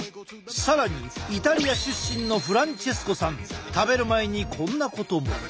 更にイタリア出身のフランチェスコさん食べる前にこんなことも。